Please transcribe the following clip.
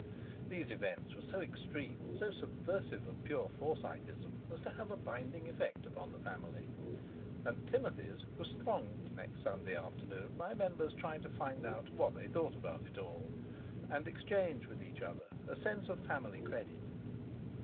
These events were so extreme, so subversive of pure Forsyteism, as to have a binding effect upon the family, and Timothy's was thronged next Sunday afternoon by members trying to find out what they thought about it all, and exchange with each other a sense of family credit.